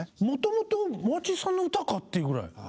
もともとマーチンさんの歌かっていうぐらい。